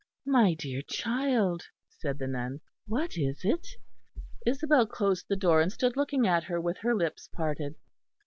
"My dear child," said the nun, "what is it?" Isabel closed the door and stood looking at her, with her lips parted.